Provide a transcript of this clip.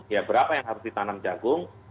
ya berapa yang harus ditanam jagung